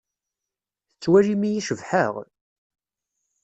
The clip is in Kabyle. Tettwalim-iyi cebḥeɣ?